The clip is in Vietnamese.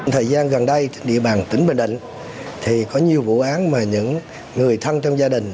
thời gian gần đây địa bàn tỉnh bình định thì có nhiều vụ án mà những người thân trong gia đình